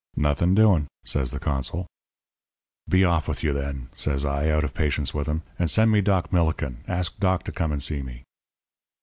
"'Nothing doing,' says the consul. "'Be off with you, then,' says I, out of patience with him, 'and send me Doc Millikin. Ask Doc to come and see me.'